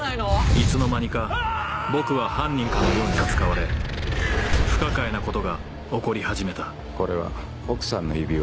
いつの間にか僕は犯人かのように扱われ不可解なことが起こり始めたこれは奥さんの指輪？